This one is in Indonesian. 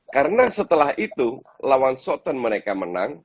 karena setelah itu lawan sutton mereka menang